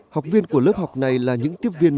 học viên của lớp học này là những tiếp viên